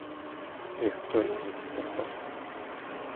Ayrton n’hésita pas.